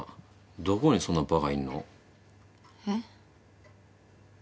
どこにそんなばかいんの？えっ？